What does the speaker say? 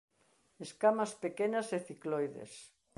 Escamas pequenas e cicloides.